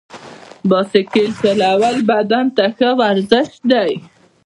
بایسکل چلول بدن ته ښه ورزش دی.